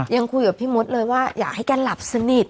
ยังคุยกับพี่มดเลยว่าอยากให้แกหลับสนิท